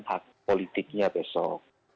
hak politiknya besok